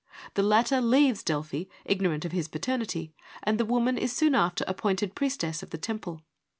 The latter leaves Delphi, ignorant of his paternity, and the woman is soon after appointed priestess of the temple.